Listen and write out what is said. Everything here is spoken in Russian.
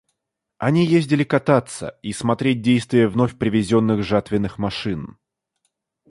Они ездили кататься и смотреть действие вновь привезенных жатвенных машин.